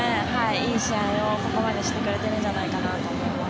いい試合をここまでしてくれているんじゃないかなと思います。